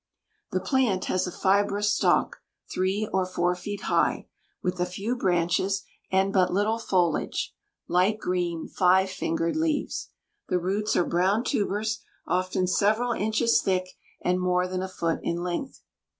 The plant has a fibrous stalk, three or four feet high, with a few branches and but little foliage; light green five fingered leaves. The roots are brown tubers, often several inches thick, and more than a foot in length.